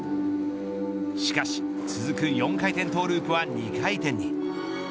しかし、続く４回転トーループは２回転に。